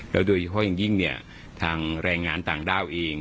โดยเฉพาะอย่างยิ่งเนี่ยทางแรงงานต่างด้าวเอง